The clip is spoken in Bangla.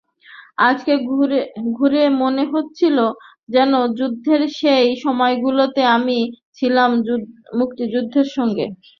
আজকে ঘুরে মনে হচ্ছিল, যেন যুদ্ধের সেই সময়গুলোতে আমিও ছিলাম মুক্তিযুদ্ধের সঙ্গে।